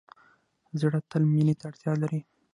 زړه تل مینې ته اړتیا لري.